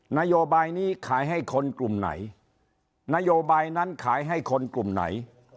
นโยบายนี้ขายให้คนกลุ่มไหนนโยบายนั้นขายให้คนกลุ่มไหน